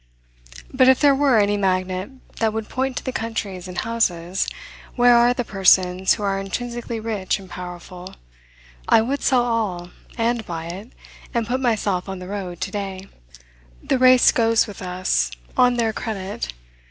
But if there were any magnet that would point to the countries and houses where are the persons who are intrinsically rich and powerful, I would sell all, and buy it, and put myself on the road to day. The race goes with us on their credit.